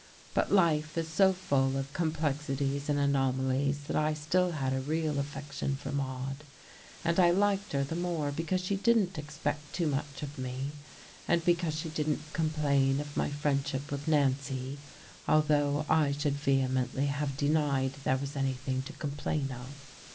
But life is so full of complexities and anomalies that I still had a real affection for Maude, and I liked her the more because she didn't expect too much of me, and because she didn't complain of my friendship with Nancy although I should vehemently have denied there was anything to complain of.